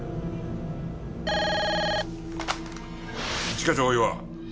一課長大岩。